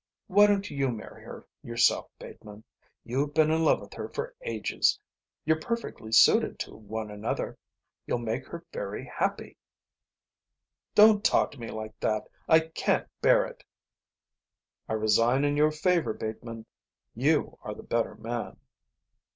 "Why don't you marry her yourself, Bateman? You've been in love with her for ages. You're perfectly suited to one another. You'll make her very happy." "Don't talk to me like that. I can't bear it." "I resign in your favour, Bateman. You are the better man."